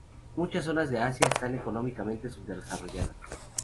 Muchas zonas de Asia están económicamente subdesarrolladas.